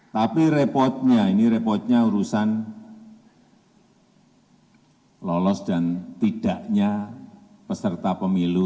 tapi repotnya ini repotnya urusan lolos dan tidaknya peserta pemilu